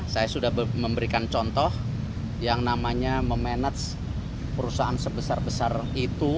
saya sudah memberikan contoh yang namanya memanage perusahaan sebesar besar itu